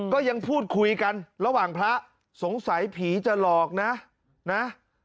ก็ยังพูดคุยกันระหว่างพระสงสัยผีจะหลอกนะนะ